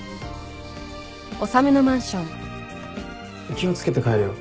気を付けて帰れよ。